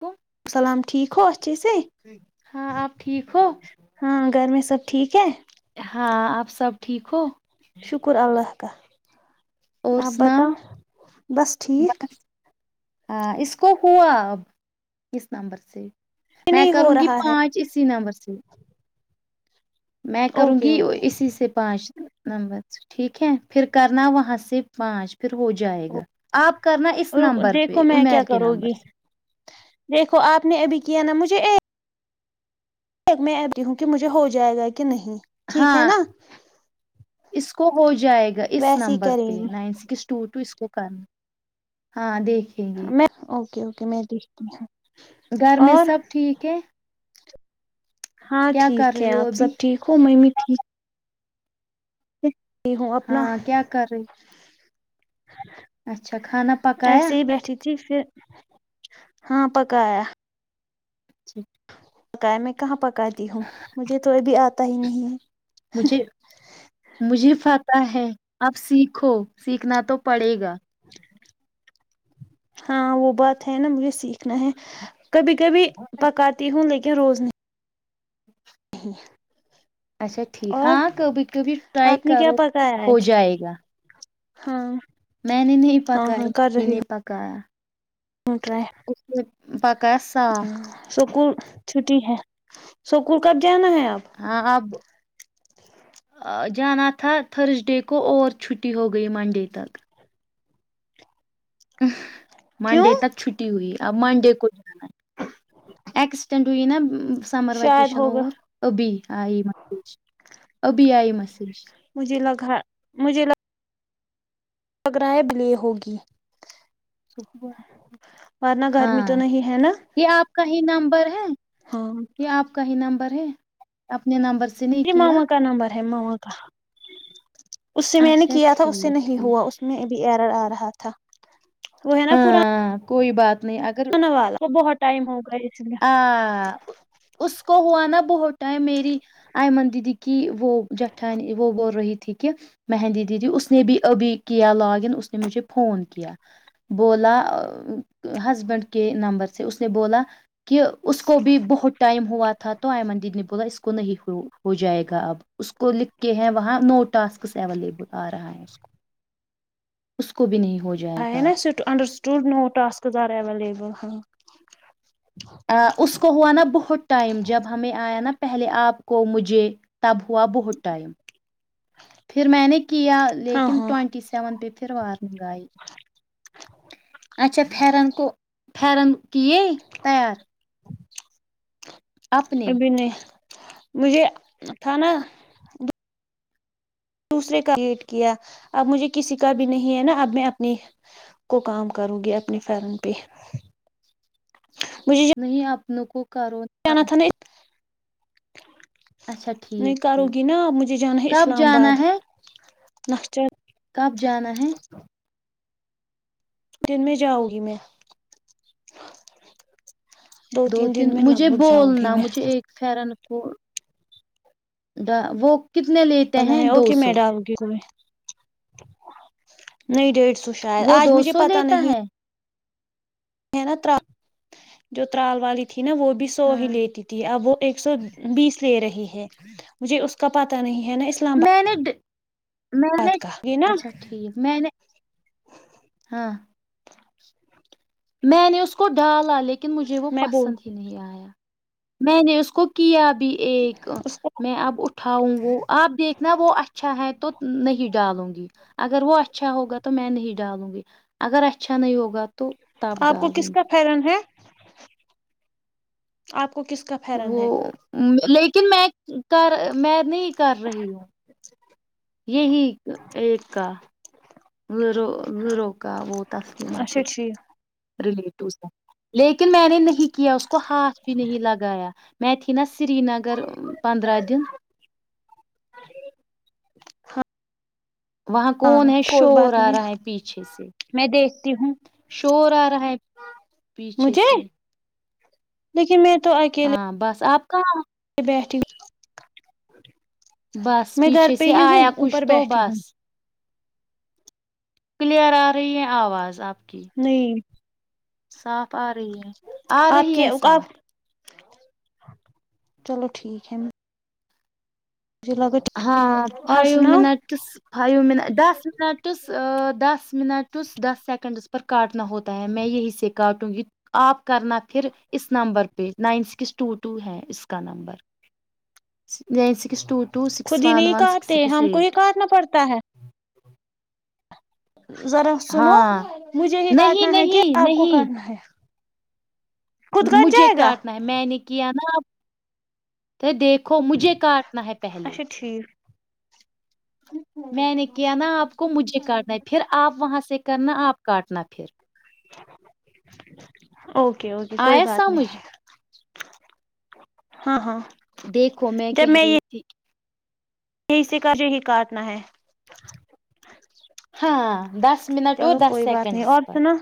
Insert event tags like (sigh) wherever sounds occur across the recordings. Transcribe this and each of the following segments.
کو السلام ٹھیک ہو اھےسے ہاں آپ ٹھیک ہو ہاں گھر میں سب ٹھیک ہے ہاں آپ سب ٹھیک ہو شکر اللہ کااں اور آپ سناؤ بتاؤ بس ٹھیک ہاں اس کو ہوا اب اس نمبر سے میں نہیں ہو کروں گی رہا ہے پانچ اسی نمبر سے میں کروں اوکے گی اوکے اسی سے پانچ نمبر ٹھیک ہے پھر کرنا وہاں سے پانچ پھر ہو جائے گا آپ کرنا اس نمبر پہ دیکھو میں کیا عمیر کے کروں نمبر گی سے دیکھو آپ نے ابھی کیا نا مجھے ایک میں ای بھی ہوں کہ مجھے ہو جائے گا کہ نہیں ٹھیک ہے ہاں نا اس کو ہو جائے گا اس ویسے ہی نمبر کریں پہ گے نائن سکس ٹو ٹ اس کو کرنا ہاں دیکھ میں اوکے اوکے میں د اور کہ (unintelligible) ہاں ٹھیک کر ہے رہی ہو آپ سب ابھی ٹھیک ہو میںمی ٹھیک ہے ہوں اپنا ہاں کیا کر رہی اچھا کھانا پکایا ایسے ہی بیٹھی تھی پھر ہاں پکایا (inaudible) پکایا میں کہاں پکاتی ہوں مجھے تو ابھی آتا ہی نہیں ہے مجھے مجھے پاتہ ہے اب سیکھو سیکھنا تو پڑے گا (inaudible) ہاں وہ بات ہے نا مجھے سیکھنا ہے کبھی کبھی پکاتی ہوں لیکن روز نہیں (inaudible) اچھا ٹھیک اور ہاں کبھی کبھی ٹرائی آپ نے کیا کرو تو پکایا ہو آج جائے گا ہاں میں نے نہیں ہاں پکایا ہاں کر ممی رہی نے پکایا (inaudible) (unintelligible) اس نے پکایا ساگ سکول چھٹی ہے سکول کب جانا ہے آپ ہاں اب (unintelligible) جانا تھا تھرسڈے کو اور چھٹی ہو گئی منڈے تک کیوں منڈے تک چھٹی ہوئی آ منڈے کو جانا اکسٹینڈ ہوئی نا سمر شاید وکیشن ہوگا اور ابھی آئی میسیج ابھی آئی میسیج مجھے لگا مجھے لگ پگرہائیں بلے ہوگی سک (unintelligible) ورنہ گرمی ہاں تو نہیں ہے نا یہ آپ کا ہی نمبر ہے ہاں یہ آپ کا ہی نمبر ہے اپنے نمبر سے نہیں یہ کیا ماما کا نمبر ہے موا کا اس سے میں نے اچھا کیا تھا اس سے ٹھیک نہیں ہوا ٹھیک اس میں بھی ایرر آ رہا تھا وہ ہے نا پانا ہاں کوئی بات نہیں اگر بہت ٹائم ہوگا اس لیے ہاں اس کو ہوا نا بہت ہے میری آئمن دیدی کی وہ جٹھانی وہ بول رہی تھی کہ مہندی دیدی اس نے بھی ابھی کیا لاگ ان اس نے مجھے فون کیا بولا ہسبینڈ کے نمبر سے اس نے بولا کہ اس کو بھی بہت ٹائم ہوا تھا تو آمدید نے بولا اس کو نہیں ہو ہو جائے گا اب اس کو لکھ کے ہیں وہاں نو ٹاسکس اویلیبل آ رہا ہے اس کو اس کو بھی نہیں ہو جائے ہ گا نا س انڈر سٹول نو اسکز ایویلیبل ہاں اس کو ہوا نا بہت ٹائم جب ہمیں آیا نا پہلے آپ کو مجھے تب ہوا بہت ٹائم پھر میں نے کیا ہاں لیکن ہاں ٹوونٹی سیون پہ پھر وارننگ آئی اچھا پن کو پن کی تیار اپنے ابھی نہیں مجھے کھانا دوسرے کا رٹ کیا اب مجھے کسی کا بھی نہیں ہے نا اب میں اپنی کو کام کرو گی اپنے فرن پہ مجھے نہیں اپن کو کرو جانا تھا نا اچھا نہیں ٹھیک کار ٹھیک ہوگی نا اب مجھے جانا ہے کب اسلام جانا آباد ہے (unintelligible) کب جانا ہے جن میں جؤ گی میں دو تین دن میں لگ مجھے بھگ جاؤں گی بولنا میں مجھے ایک فرن کو دا وہ کتنے لیتے ہیں دو اوکے سو میڈم نہیں ڈیڑھ سو شاید وہ آج دو مجھے سو پت لیتا نہیں ہے ہے نا جو ترال والی تھی نا وہ بھی سو ہی ہاں لیتی تھی اب وہ ایک سو بیس لے رہی ہے مجھے اس کا پتا نہیں ہے نا اسلام آباد میں نے ڈ- نے کا یہ نا اچھا ٹھیک نے ہاں میں نے اس کو ڈالا لیکن مجھے وہ میں بول پسند ہی نہیں آیا میں نے اس کو کیابھی ایک اس کو میں اب اٹھاؤں گ وہ آپ دیکھنا وہ اچھا ہے تو نہیں ڈالوں گی اگر وہ اچھا ہوگا تو میں نہیں ڈالوں گی اگر اچھا نہیں ہوگا تو تب آپ کو ڈالوں کس کا گی پرن ہے آپ کو کس کا فرن وہ ہے لیکن میں کر میں نہیں کر رہی ہوں یہی ایک کا زرو زیرو کا وہ تسلیمہ اچھا کی ٹھیک ریلیٹو سے لیکن میں نے نہیں کیا اس کو ہاتھ بھی نہیں لگایا میت نا سری نگر پندرہ دن وہاں ہاں کون ہے کوئی شور بات آ نہیں رہا ہے پیچھے سے میں دیکھتی ہوں شور آ رہا ہے پیچھے سے (unintelligible) لیکن میں تو ہاں بس آپ کہاں بی بس میں گھر پیچھے پہ سے ہی ہوں آیا کچھ اوپر تو بیٹھی ہوں بس کلیئر آ رہی ہے آواز آپ کی نہیں صاف آ رہی ہے آ آپ رہی کی ہیں آپ صاف چلو ٹھیک ہے ج لگت ہاں فائیو منٹس فائیو منٹس دس منٹس دس منٹس دس سیکنڈس پر کاٹنا ہوتا ہے میں یہی سے کاٹوں گی آپ کرنا پھر اس نمبر پہ نائن سکس ٹو ٹو ہے اس کا number nine six two two خود سکس ہی ون نہیں ون سکس کہتے سکس ہم کو ہی ایٹ کاٹنا پڑتا ہے ذرا سنو ہاں مجھے یہ کاٹنا نہیں ہے کہ نہیں آپ کو نہیں کاٹنا ہے خود کٹ مجھے جائے گا کاٹن ہے م میں نےنی ک نا تو دیکھو مجھے کاٹنا ہے پہلے اچھا ٹھیک (unintelligible) میں نے کیا نا آپ کو مجھے کاٹنا ہے پھر آپ وہاں سے کرنا آپ کاٹنا پھر اوکے اوکے کوئی آیا بات سمجھ نہیں ہاں ہاں دیکھو میں کہہ رہی تھی یہ اسی کا جو ہی کاٹنا ہے ہاں دس منٹ اور چلو دس کوئی بات نہیں سیکنڈس اور پر سنا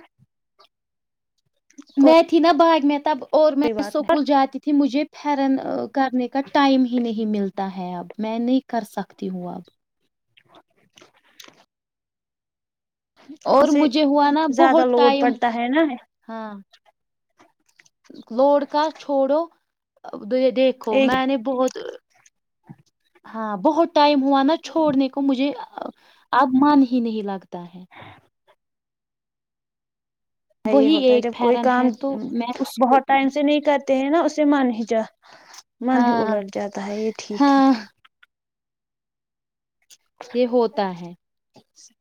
کوئی میں تھی نا باغ میں تب اور میں کوئی بات نہیں اسکول جاتی تھی مجھے پرن کرنے کا ٹائم ہی نہیں ملتا ہے اب میں نہیں کر سکتی ہوں اب (unintelligible) پر اور اسے مجھے ہوا نا بہت زیادہ لوڈ ٹائم پڑتا ہے نا ہاں لوڈ کا چھوڑو دیکھو ایک میں نے بہت ہاں بہت ٹائم ہوا نا چھوڑنے کو مجھے اب من ہی نہیں لگتا ہے یہ وہی ہوتا ہے ایک جب کوئی پھیرن کام ہے تو میں اس کو بہت بھی ٹائم سے نہیں کر ہیں نا اسے من ہی ج من ہی ہاں الٹ جاتا ہے یہ ٹھیک ہے ہاں یہ ہوتا ہے اٹھ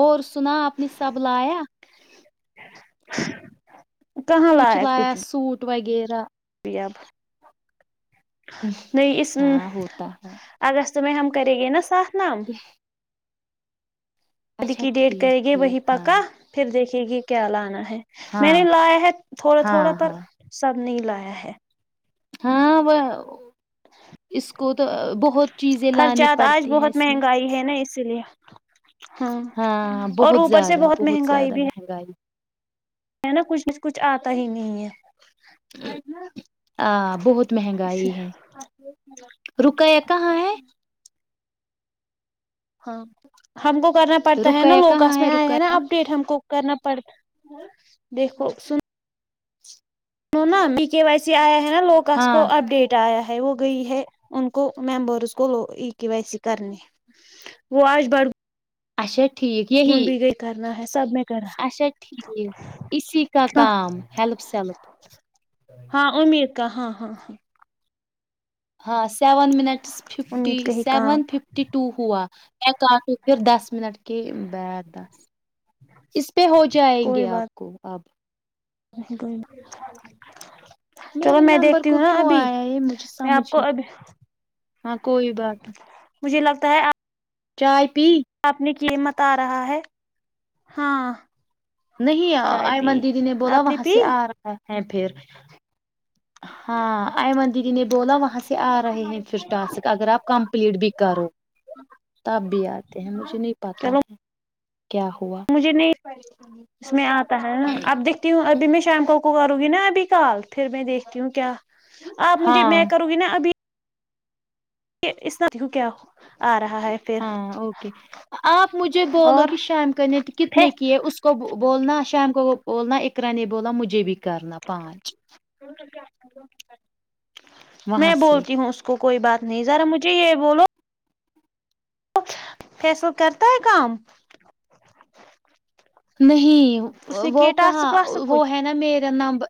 اور سنا اپنی سب لایا (unintelligible) کہاں کچ لایا سوٹ وغیرہ ب نہیں اس ا ہاں ہوتا ہے اگست میں ہم کر گیے نا ساات نام اد اچھا کی ڈیٹ ٹھیک کرے گی وہی ٹھیک ہاں پکا پھر دیکھے گی کیا لانا ہے میں نے ہاں لایا ہے تھوڑا تھوڑا ہاں پر ہاں سب نے لایا ہے ہاں وہ اس کو تو بہت چیزیں لانی خرچات آج پڑتی ہیں بہت اس میں مہنگائی ہے نا اسی لیے ہاں ہاں اور بہت اوپر سے زیادہ بہت مہنگائی زیادہ بھی مہنگائی ہے نا کچھ میں سے کچھ آتا ہی نہیں ہے آ بہت اس مہنگائی ہے رکیہ کہاں ہے ہاں ہم کو کرنا پڑتا ہے نا رکیا کہاں لوگکس میں ہے آئے رکیا ہیں نا اب اپیٹ ہم کو کرنا پڑتا دیکھو س نوا کے وائی سی آیا ہے نا لوکاس ہاں کو اپ ڈیٹ یا ہے وہ گئی ہے ان کو ممبرس کو لو ا کی ویسی کرنے وہ آج بڑ اچھا ٹھیک یہی گن بھی گئی کرنا ہے سب میں کرا اچھا ٹھیک اسی کا ہاں کام ہیلپ سیلپ ہاں امیر کا ہاں ہاں ہاں ہاں سیون منٹس ففٹی امید کا ہی سیون کام ففٹی ٹو ہوا میں کافی پھر دس منٹ کے بیھ دس اس پہ ہو جائیں کوئی گے آپ بات کو اب نہیں کوئی (inaudible) میرے میں نمبر دیکھتی کو ہوں نا کیوں ابھی آیا ہے مجھے میں آپ کو سمجھے ابھی ہاں کوئی بات نہیں مجھے لگتا ہے چائے پی آپ نے کی مت آ رہا ہے ہاں نہیں چائے پی آئمن دیدی نے بولا آپ وہاں پی سے آ رہا ہے پھر ہاں ایمن دیدی نے بولا وہاں سے آ رہے ہیں پھر ٹاسک اگر آپ کمپلیٹ بھی کرو تب بھی آتے ہیں مجھے نہیں پتا چلو ہے کیا ہوا مجھے نہیں اس میں آتا ہے نا آپ دیک تی ہوں ابھی میں شام کو کو کروں گی نا ابھی کال پھر میں دیکھتی ہوں کیا آپ مجھے ہاں میں کروں گی نا ابھی کہ اس کاو کیا آ رہا ہے پھر ہاں اوکے آپ مجھے بولو اور کہ شام کانے کتنے پھر کی ہے اس کو بولنا شام کو بولنا اکرا نے بولا مجھے بھی کرنا پانچ وہاں میں سے بولتی ہوں اس کو (unintelligible) کو کوئی بات نہیں ذرا مجھے یہ بولو فیس بک کرتا ہے کام نہیں اس نے وہ کیے کہاں ٹاسک واسک وہ کچھ ہے نا میرا نمبر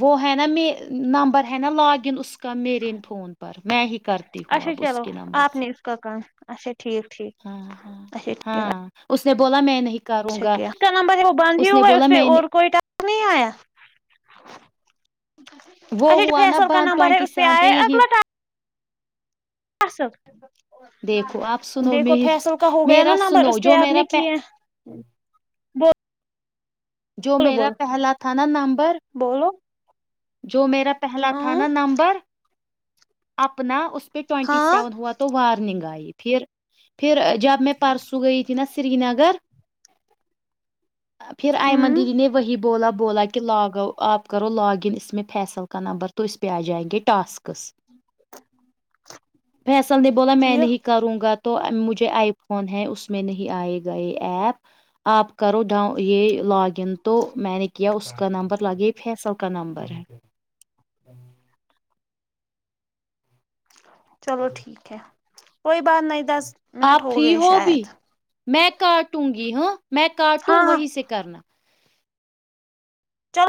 وہ ہے نا م نمبر ہے نا لاگ ان ا اس کا میرین فون پر میں ہی کرتی ہوں اچھا اب اس چلو کے نمبر آپ سے نے اس کا کام اچھا ٹھیک ٹھیک ہاں ہاں اچھا ٹھیک ہاں اس نے بولا میں نہیں کروں گا اچھا نمبر وہ بند ہی نے ہوا ہے بولا اس پہ میں نے اور کوئٹ ک آیا (unintelligible) وہ اچھا جو ہوا نا فیصل کا بند نمبر ہے ٹوینٹی اس پہ سیون آیا ہے یہی اگلا صل دیکھو آپ سنو دیکھو میر فیصل کا ہو گیا نا میرا نمبر سنو اس پہ جو آپ میرا نے کیے جو بولو میرا بولو پہلا تھا نا نمبر بولو جو میرا پہلا ا تھا نا نمبر اپنا اس پہ ٹوینٹی ہاں سیون ہوا تھا تو وارننگ آئی پھر پھر جب میں پرسوں گئی تھی نا سری نگر پھر آئمند ام دی نے وہی بولا بولا کہ کہ لاگ آپ کرو لاگ ان اس م میں فیصل کاان نبر تو اس پہ آ جائیں گے اسکس فیصل نے بولا میں ٹھیک نہیں کروں گا تو مجھے آئی فون ہے اس میں نہیں آئے گئے ایپ آپ کرو ڈاؤ یہ لاگ ان تو میں نے کیا اس کا نمبر لاگے فیصل کا نمبر ہے چلو ٹھیک ہے کوئی بات نہیں دس منٹ آپ ہو فری گئے شاید بھی میں کاٹوں گی ہاں میں کاٹوں ہاں ہاں وہیں سے کرنا چلو